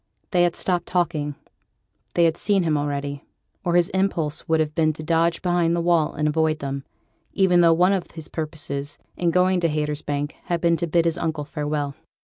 They had stopped talking; they had seen him already, or his impulse would have been to dodge behind the wall and avoid them; even though one of his purposes in going to Haytersbank had been to bid his uncle farewell.